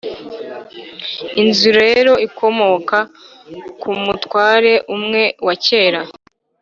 inzu rero ikomoka ku mutware umwe wa cyera